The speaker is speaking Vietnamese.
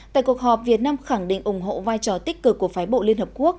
tại cuộc họp việt nam khẳng định ủng hộ vai trò tích cực của phái bộ liên hợp quốc